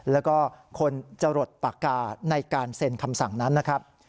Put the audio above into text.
แล้วก็คนจะหลดปากกาในการเซ็นคำสั่งนั้นนะครับ